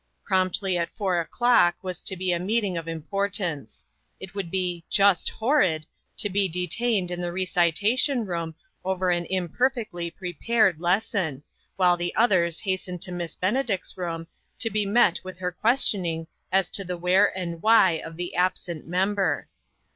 Promptly at four o'clock was to be a meeting of importance. It would be "just horrid" to be detained in the recitation room over an imperfectly prepared lesson, while the others hastened to Miss Benedict's 108 MAKING OPPORTUNITIES. IO9 room, to be met with her questioning as to the where and why of the absent member.